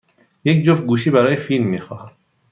یک جفت گوشی برای فیلم می خواهم.